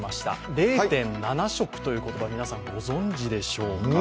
０．７食という言葉、皆さんご存じでしょうか？